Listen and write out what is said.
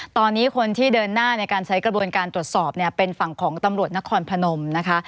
ตอนนี้คนที่เดินหน้าในการใช้กระบวนการตรวจสอบเนี่ยเป็นฝั่งของตำรวจนครพนมนะคะ